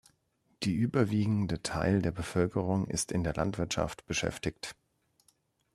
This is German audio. Die überwiegende Teil der Bevölkerung ist in der Landwirtschaft beschäftigt.